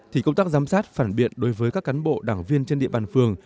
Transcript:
thì công tác giám sát phản biện đối với các cán bộ đảng viên trên địa bàn phường